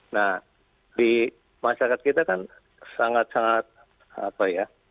nah di masyarakat kita kan sangat sangat apa ya